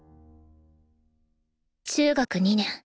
中学２年。